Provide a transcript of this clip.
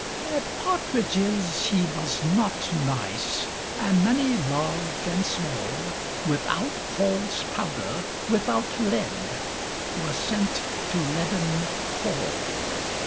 At partridges he was not nice; And many, large and small, Without Hall's powder, without lead, Were sent to Leaden Hall.